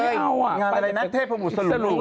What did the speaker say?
ไม่เอาไปรับที่แน็ตเทพโปรโมทสรุป